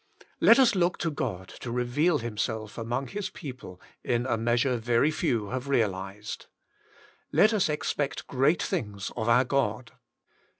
Let ua look to God to reveal Himself among His people in a measure very few have realised. Let us expect great things of our God.